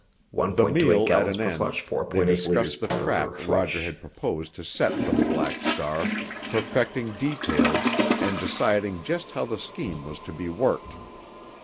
The meal at an end, they discussed the trap Roger had proposed to set for the Black Star, perfecting details and deciding just how the scheme was to be worked.